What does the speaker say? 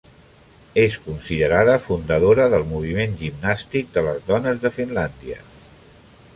És considerada fundadora del moviment gimnàstic de les dones de Finlàndia.